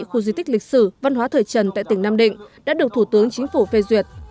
khu di tích lịch sử văn hóa thời trần tại tỉnh nam định đã được thủ tướng chính phủ phê duyệt